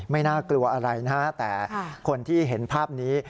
น่ากลัวอะไรนะฮะแต่คนที่เห็นภาพนี้